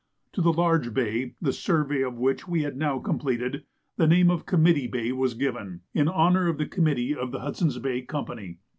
To the large bay, the survey of which we had now completed, the name of Committee Bay was given, in honor of the Committee of the Hudson's Bay Company.